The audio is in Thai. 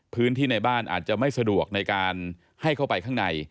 พื้นที่ในบ้านอาจจะไม่สะดวกในการให้เข้าไปข้างใน